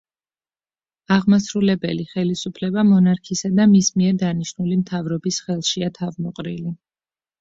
აღმასრულებელი ხელისუფლება მონარქისა და მის მიერ დანიშნული მთავრობის ხელშია თავმოყრილი.